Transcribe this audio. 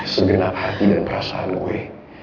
segenap hati dan perasaan gue